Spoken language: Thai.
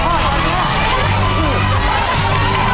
ก็มีต้นหวานอยู่บ้างนะ